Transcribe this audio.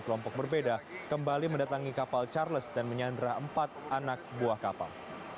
kelompok berbeda kembali mendatangi kapal charles dan menyandra empat anak buah kapal